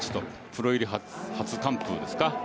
プロ入り初完封ですか。